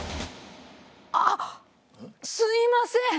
あっすいません。